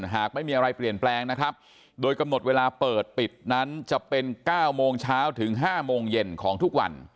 หากไม่มีอะไรเปลี่ยนแปลงนะครับโดยกำหนดเวลาเปิดปิดนั้นจะเป็น๙โมงเช้าถึง๕โมงเย็นของทุกวัน